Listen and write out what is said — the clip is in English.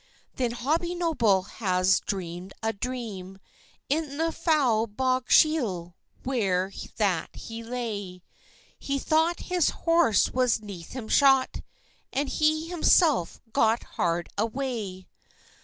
Then Hobbie Noble has dream'd a dream, In the Foulbogshiel, where that he lay; He thought his horse was neath him shot, And he himself got hard away.